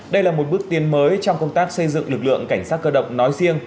đây là một bước tiến mới trong công tác xây dựng lực lượng cảnh sát cơ động nói riêng